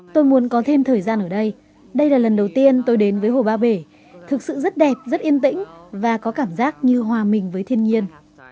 tôi muốn có thêm thời gian ở đây đây là lần đầu tiên tôi đến với hồ ba bể thực sự rất đẹp rất yên tĩnh và có cảm giác như hòa mình với thiên nhiên